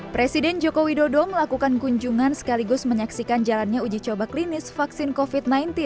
presiden joko widodo melakukan kunjungan sekaligus menyaksikan jalannya uji coba klinis vaksin covid sembilan belas